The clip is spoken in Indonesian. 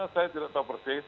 saya tidak tahu persis